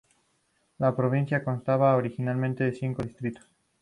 La provincia constaba originalmente de cinco distritos.